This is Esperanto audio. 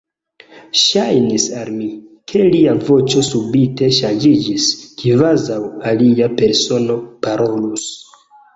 Ŝajnis al mi, ke lia voĉo subite ŝanĝiĝis, kvazaŭ alia persono parolus.